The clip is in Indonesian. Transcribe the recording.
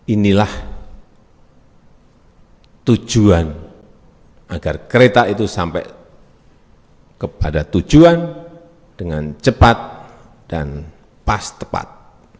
inilah tujuan agar kereta itu sampai kepada tujuan dengan cepat dan pas tepat